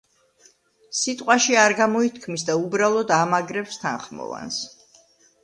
სიტყვაში არ გამოითქმის და უბრალოდ ამაგრებს თანხმოვანს.